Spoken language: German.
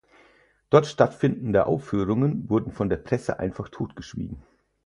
Dort stattfindende Aufführungen wurden von der Presse einfach totgeschwiegen.